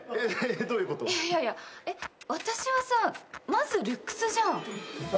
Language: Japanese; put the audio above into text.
いやいやいや私はさまずルックスじゃん。